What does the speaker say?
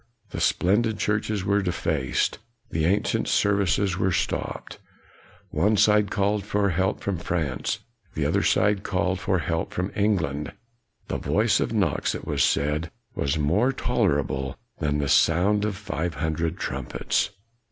The splendid churches were defaced; the an cient services were stopped. One side called for help from France; the other side called for help from England. The voice of Knox, it was said, was more ter rible than the sound of five hundred trumpets.